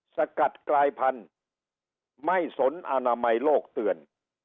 สกัดกลายพันธุ์ไม่สนอกมัยโลกเตือน